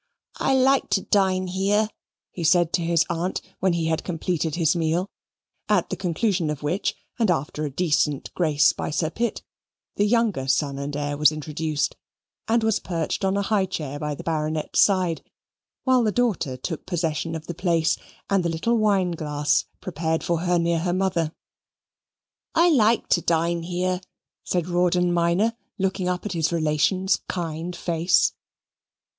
"I like to dine here," he said to his aunt when he had completed his meal, at the conclusion of which, and after a decent grace by Sir Pitt, the younger son and heir was introduced, and was perched on a high chair by the Baronet's side, while the daughter took possession of the place and the little wine glass prepared for her near her mother. "I like to dine here," said Rawdon Minor, looking up at his relation's kind face.